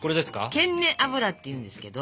ケンネ脂っていうんですけど。